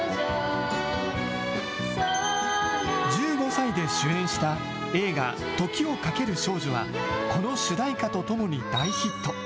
１５歳で主演した映画、時をかける少女は、この主題歌とともに大ヒット。